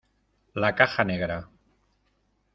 la caja negra.